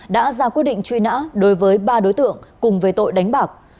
đã ra quyết định truy nã đối với ba đối tượng cùng về tội đánh bạc